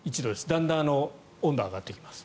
だんだん温度が上がってきます。